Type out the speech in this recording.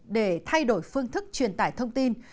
để thay đổi phương thức truyền tải thông tin